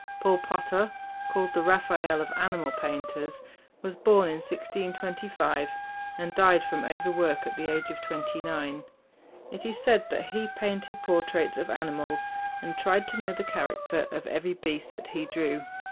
Paul Potter, called the "Raphael of animal painters," was born in 1625, and died from overwork at the age of twenty nine. It is said that he painted portraits of animals, and tried to know the character of every beast that he drew.